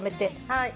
はい。